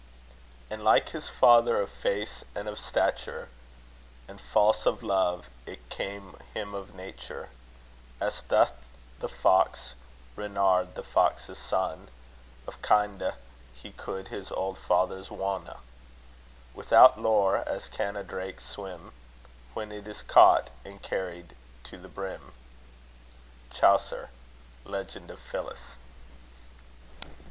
And like his father of face and of stature, And false of love it came him of nature; As doth the fox Renard, the fox's son; Of kinde, he coud his old father's wone, Without lore, as can a drake swim, When it is caught, and carried to the brim. CHAUCER. Legend of Phillis.